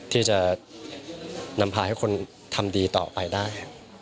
ที่จะนำพาให้คนทำดีต่อไปได้